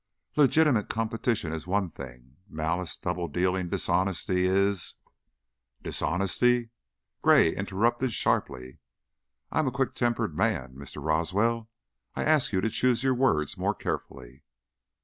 "Legitimate competition is one thing; malice, double dealing, dishonesty is " "Dishonesty?" Gray interrupted, sharply. "I am a quick tempered man, Mr. Roswell. I'll ask you to choose your words more carefully."